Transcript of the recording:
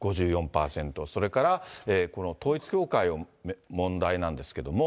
それからこの統一教会の問題なんですけども。